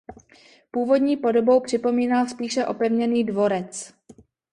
Původní podobou připomínal spíše opevněný dvorec.